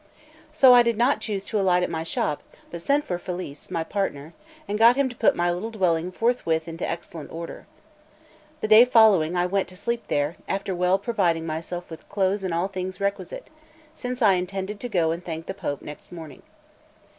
So I did not choose to alight at my shop, but sent for Felice, my partner, and got him to put my little dwelling forthwith into excellent order. The day following, I went to sleep there, after well providing myself with clothes and all things requisite, since I intended to go and thank the Pope next morning.